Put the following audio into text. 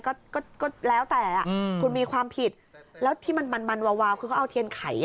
ก็ก็แล้วแต่คุณมีความผิดแล้วที่มันมันวาวคือเขาเอาเทียนไข